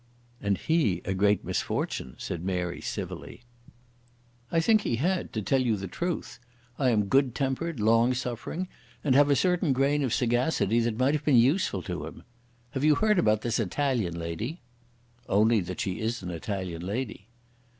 "And he a great misfortune," said Mary civilly. "I think he had, to tell you the truth. I am good tempered, long suffering, and have a certain grain of sagacity that might have been useful to him. Have you heard about this Italian lady?" "Only that she is an Italian lady."